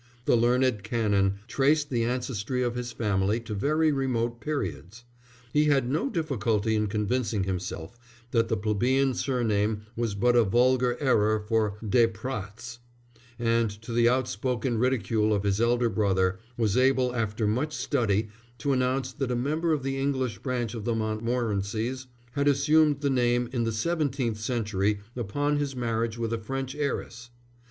The learned Canon traced the ancestry of his family to very remote periods. He had no difficulty in convincing himself that the plebeian surname was but a vulgar error for des Prats; and to the outspoken ridicule of his elder brother, was able after much study to announce that a member of the English branch of the Montmorencys had assumed the name in the seventeenth century upon his marriage with a French heiress.